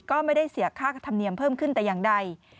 ก็ไม่ได้เสียค่าธรรมเนียมเพิ่มขึ้นแต่อย่างใด